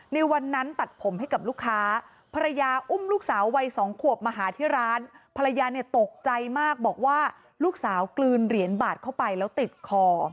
ในวันนั้นตัดผมให้กับลูกค้าภรรยาอุ้มลูกสาววัยสองขวบมาหาที่ร้านภรรยาเนี่ยตกใจมากบอกว่าลูกสาวกลืนเหรียญบาทเข้าไปแล้วติดคอ